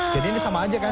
jadi ini sama aja kan